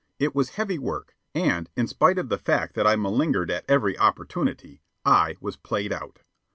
It was heavy work, and, in spite of the fact that I malingered at every opportunity, I was played out.